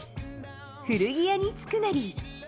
古着屋に着くなり。